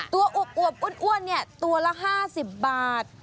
ตัวอวกอวกอ้วนเนี่ยตัวละ๕๐บาท